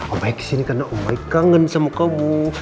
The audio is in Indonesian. om baik kesini karena om baik kangen sama kamu